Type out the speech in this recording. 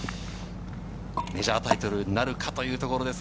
メジャータイトルなるかというところです。